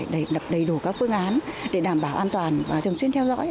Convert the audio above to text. đó là phương án để đảm bảo an toàn và thường xuyên theo dõi